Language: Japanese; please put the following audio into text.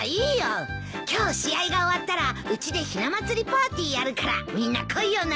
今日試合が終わったらうちでひな祭りパーティーやるからみんな来いよな。